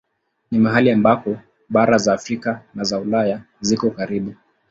Ni mahali ambako bara za Afrika na Ulaya ziko karibu.